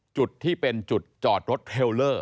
จวดที่เป็นจอดรถเทลลร์